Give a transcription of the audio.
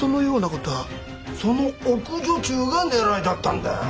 その奥女中が狙いだったんだよ。